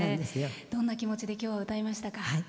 どんな気持ちで歌いましたか？